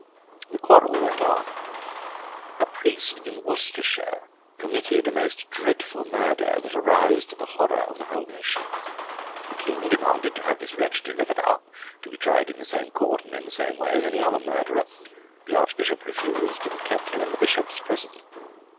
The quarrel went on. A priest in Worcestershire committed a most dreadful murder, that aroused the horror of the whole nation. The King demanded to have this wretch delivered up, to be tried in the same court and in the same way as any other murderer. The Archbishop refused, and kept him in the Bishop's prison.